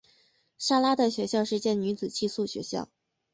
莎拉的学校是间女子寄宿学校。